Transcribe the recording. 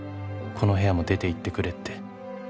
「この部屋も出ていってくれって」